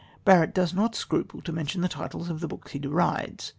Barrett does not scruple to mention the titles of the books he derides.